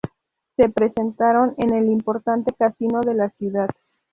Se presentaron en el importante casino de la ciudad.